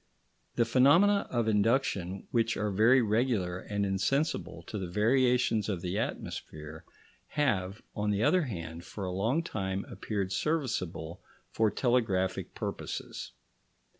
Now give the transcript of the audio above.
The phenomena of induction, which are very regular and insensible to the variations of the atmosphere, have, on the other hand, for a long time appeared serviceable for telegraphic purposes.